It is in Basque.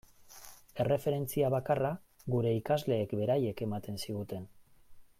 Erreferentzia bakarra gure ikasleek beraiek ematen ziguten.